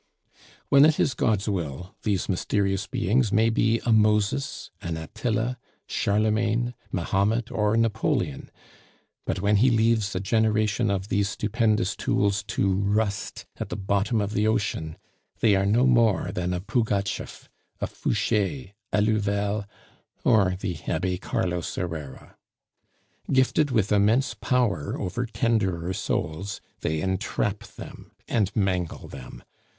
"When it is God's will, these mysterious beings may be a Moses, an Attila, Charlemagne, Mahomet, or Napoleon; but when He leaves a generation of these stupendous tools to rust at the bottom of the ocean, they are no more than a Pugatschef, a Fouche, a Louvel, or the Abbe Carlos Herrera. Gifted with immense power over tenderer souls, they entrap them and mangle them.